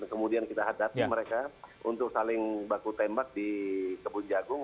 kemudian kita hadapi mereka untuk saling baku tembak di kebun jagung